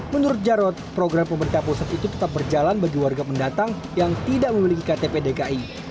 menurut jarod program pemerintah pusat itu tetap berjalan bagi warga pendatang yang tidak memiliki ktp dki